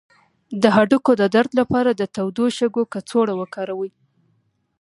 د هډوکو د درد لپاره د تودو شګو کڅوړه وکاروئ